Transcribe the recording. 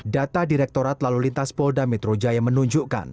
data direktorat lalu lintas polda metro jaya menunjukkan